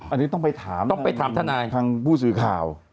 อันนี้ต้องไปถามทางผู้สื่อข่าว